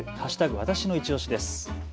わたしのいちオシです。